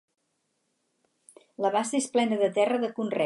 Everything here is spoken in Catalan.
La bassa és plena de terra de conreu.